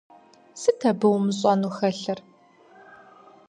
Сыт абы умыщӀэну хэлъыр?!